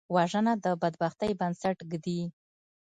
وژنه د بدبختۍ بنسټ ږدي